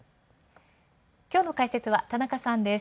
今日の解説は田中さんです。